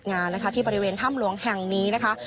งานนะคะที่บริเวณถ้ำหลวงแห่งนี้นะคะ